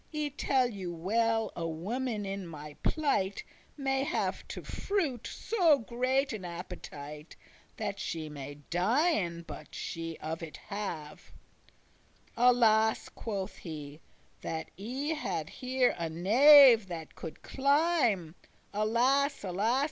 I tell you well, a woman in my plight <30> May have to fruit so great an appetite, That she may dien, but* she of it have. " *unless "Alas!" quoth he, "that I had here a knave* *servant That coulde climb; alas! alas!"